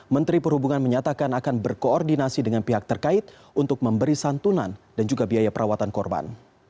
menteri perhubungan menyatakan akan berkoordinasi dengan pihak terkait untuk memberi santunan dan juga biaya perawatan korban